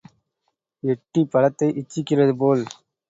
எட்டிப் பழத்தை இச்சிக்கிறது போல்.